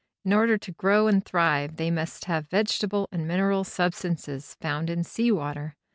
In order to grow and thrive they must have vegetable and mineral substances found in sea water.